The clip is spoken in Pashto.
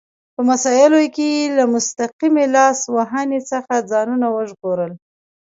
په مسایلو کې یې له مستقیمې لاس وهنې څخه ځانونه ژغورل.